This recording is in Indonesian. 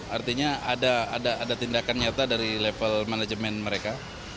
artinya ada tindakan nyata dari level manajemen mereka